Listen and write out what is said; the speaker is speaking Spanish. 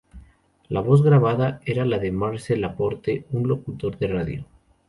La voz grabada era la de Marcel Laporte, un locutor de radio.